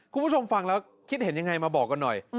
คุณผู้ชมฟังแล้วคิดเห็นยังไงมาบอกกันหน่อย